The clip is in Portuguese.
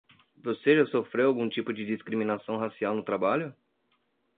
Você já sofreu algum tipo de discriminação racial no trabalho?